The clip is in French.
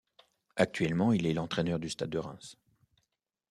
Actuellement, il est l'entraîneur du Stade de Reims.